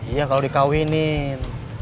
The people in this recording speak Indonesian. iya kalau dikawinin